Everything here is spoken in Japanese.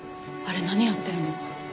あれ何やってるの？